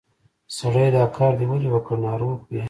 سړیه! دا کار دې ولې وکړ؟ ناروغ وې؟